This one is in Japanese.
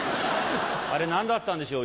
あれ何だったんでしょう？